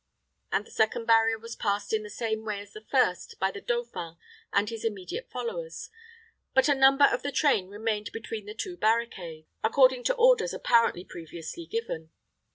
The second barrier was passed in the same way as the first by the dauphin and his immediate followers; but a number of the train remained between the two barricades, according to orders apparently previously given.